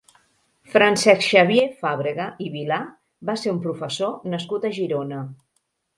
Francesc Xavier Fàbrega i Vilà va ser un professor nascut a Girona.